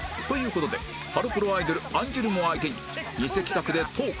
事でハロプロアイドルアンジュルムを相手に偽企画でトーク